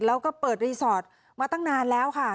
แล้วก็เปิดรีสอร์ทมาตั้งนานแล้วค่ะ